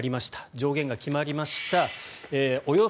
上限が決まりました。